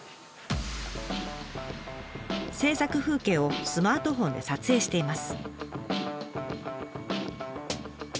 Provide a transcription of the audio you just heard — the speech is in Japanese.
製作風景をスマートフォンで撮影しています。